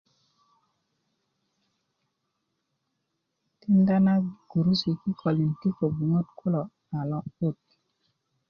tinda na gurusu i kikolin ti ko'buŋat kulo a lo'but